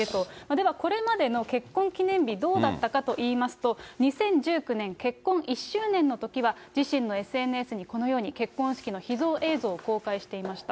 ではこれまでの結婚記念日、どうだったかといいますと、２０１９年、結婚１周年のときは、自身のＳＮＳにこのように結婚式の秘蔵映像を公開していました。